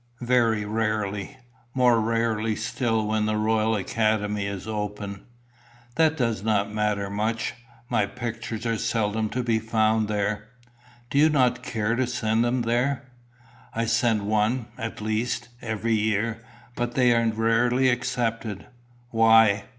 "Very rarely. More rarely still when the Royal Academy is open." "That does not matter much. My pictures are seldom to be found there." "Do you not care to send them there?" "I send one, at least, every year. But they are rarely accepted." "Why?"